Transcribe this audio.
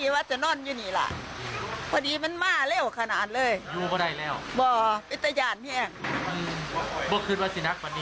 ยายก็เลยกับแบบบริลันด์กระแหลนจะเอิญอีก